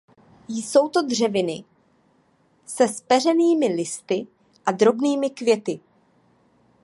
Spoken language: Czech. Jsou to dřeviny se zpeřenými listy a drobnými květy.